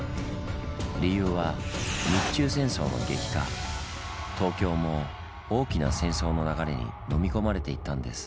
理由は東京も大きな戦争の流れに飲み込まれていったんです。